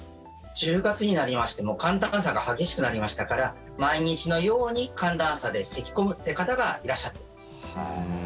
１０月になりまして寒暖差が激しくなりましたから毎日のように寒暖差でせき込むという方がいらっしゃっています。